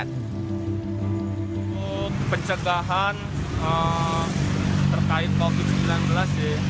untuk pencegahan terkait covid sembilan belas sih